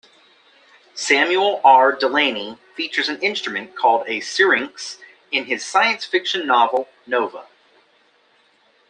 Samuel R. Delany features an instrument called a syrynx in his science-fiction novel "Nova".